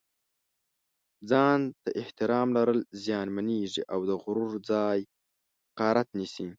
ځان ته احترام لرل زیانمېږي او د غرور ځای حقارت نیسي.